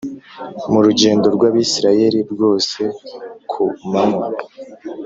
Mu rugendo rw Abisirayeli rwose ku manywa